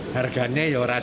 harganya tidak jelas